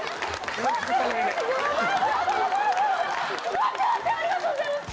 待って待ってありがとうございます。